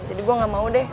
jadi gue gak mau deh